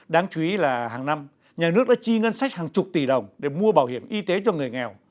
đáng chú ý là hàng năm nhà nước đã chi ngân sách hàng chục tỷ đồng để mua bảo hiểm y tế cho người nghèo